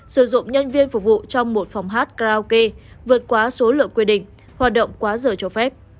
sử dụng nhân viên phục vụ trong một phòng hát klau kê vượt quá số lượng quy định hoạt động quá dở cho phép